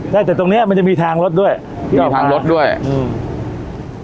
ใช่แต่ตรงเนี้ยมันจะมีทางรถด้วยก็ทางรถด้วยอืม